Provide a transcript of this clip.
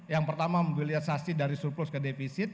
yang pertama mobilisasi dari surplus ke defisit